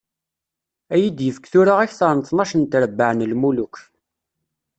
Ad yi-d-yefk tura akteṛ n tnac n trebbaɛ n lmuluk.